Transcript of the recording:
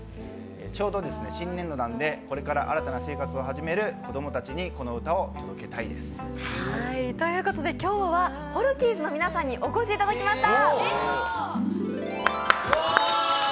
ちょうど新年度なので、これから新たな生活を始める子供たちにこの歌を届けたいです。ということで、今日はＨｏＲｏｏｋｉｅｓの皆さんにお越しいただきました。